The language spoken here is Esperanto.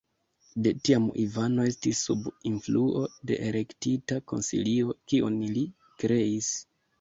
De tiam Ivano estis sub influo de "Elektita Konsilio", kiun li kreis.